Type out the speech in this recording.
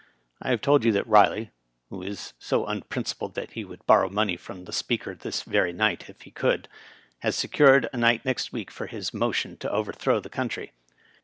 I have told you that Eiley (who is so unprincipled that he would borrow money of the Speaker this very night if he could) has secured a night next week for his motion to overthrow the country.